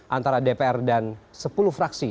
antara dpr dan sepuluh fraksi